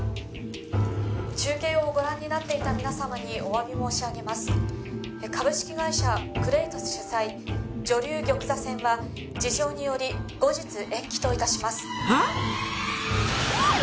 「中継をご覧になっていた皆様にお詫び申し上げます」「株式会社クレイトス主催女流玉座戦は事情により後日延期と致します」はあ！？